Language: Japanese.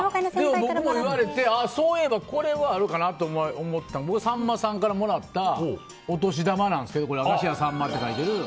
僕も、そういえばこれがあるかなと思ったのはさんまさんからもらったお年玉なんですけど明石家さんまと書いてある。